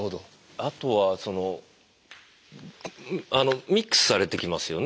あとはそのミックスされてきますよね。